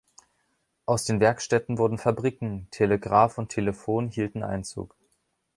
Aus den Werkstätten wurden Fabriken; Telegraf und Telefon hielten Einzug.